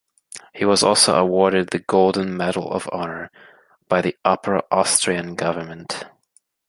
He was also awarded the "Golden Medal of Honor" by the Upper Austrian Government.